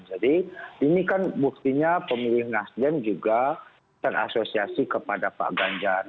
jadi ini kan buktinya pemilik nasdem juga terasosiasi kepada pak ganjar